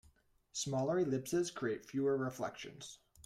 Smaller ellipses create fewer reflections.